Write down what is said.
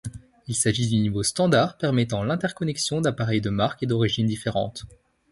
Il s'agit du niveau standard permettant l'interconnexion d'appareils de marques et d'origines différentes.